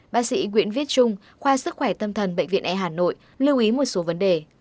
bác sĩ nguyễn viết trung khoa sức khỏe tâm thần bệnh viện e hà nội lưu ý một số vấn đề